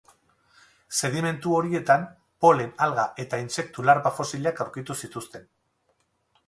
Sedimentu horietan polen, alga eta intsektu larba fosilak aurkitu zituzten.